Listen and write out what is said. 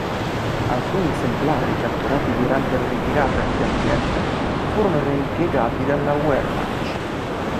Alcuni esemplari, catturati durante la ritirata di Dunkerque, furono reimpiegati dalla Wehrmacht.